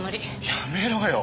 やめろよ。